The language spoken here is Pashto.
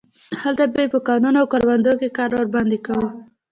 هلته به یې په کانونو او کروندو کې کار ورباندې کاوه.